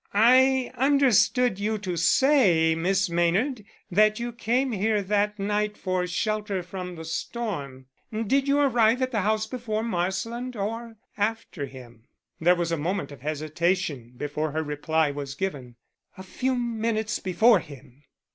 "I understood you to say, Miss Maynard, that you came here that night for shelter from the storm. Did you arrive at the house before Marsland or after him?" There was a moment of hesitation before her reply was given. "A few minutes before him."